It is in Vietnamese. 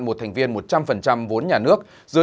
một thành viên một trăm linh vốn nhà nước